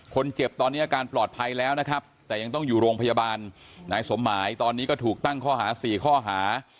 คนเจ็บตอนนี้อาการปลอดภัยแล้วนะครับแต่ยังต้องอยู่โรงพยาบาลนายสมหมายตอนนี้ก็ถูกตั้งข้อหา๔ข้อหา